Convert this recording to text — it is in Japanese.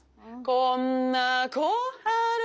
こんなこはる